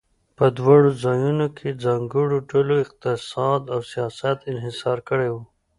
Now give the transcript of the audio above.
په دواړو ځایونو کې ځانګړو ډلو اقتصاد او سیاست انحصار کړی و.